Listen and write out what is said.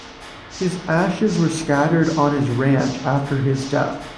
His ashes were scattered on his ranch after his death.